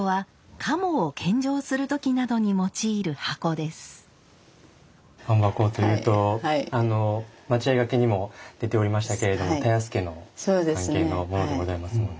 鴨箱というと待合掛にも出ておりましたけれども田安家の関係のものでございますもんね。